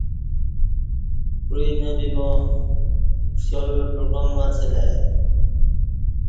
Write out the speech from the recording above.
کوعی نہ بیبا ݜیال بعگام اڅہ لہ ای